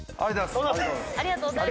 ありがとうございます。